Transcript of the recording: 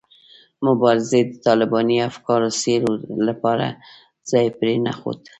مبارزې د طالباني افکارو څېړلو لپاره ځای پرې نه ښود.